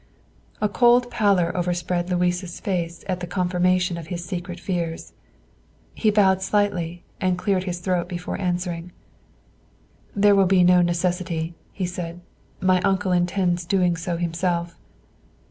A cold pallor overspread Louis's face at the confirmation of his secret fears. He bowed slightly and cleared his throat before answering. "There will be no necessity," he said; "my uncle intends doing so himself."